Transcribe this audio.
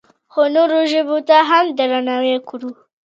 خو نورو ژبو ته هم درناوی وکړو.